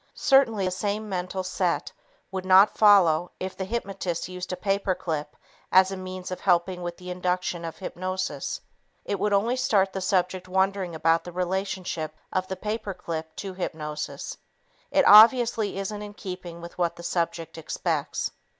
Certainly the same mental set would not follow if the hypnotist used a paper clip as a means of helping with the induction of hypnosis. It would only start the subject wondering about the relationship of the paper clip to hypnosis. It obviously isn't in keeping with what the subject expects.